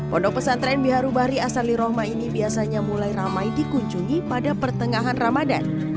pondok pesantren biharubari asal liroma ini biasanya mulai ramai dikunjungi pada pertengahan ramadhan